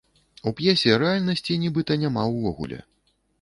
У п'есе рэальнасці нібыта няма ўвогуле.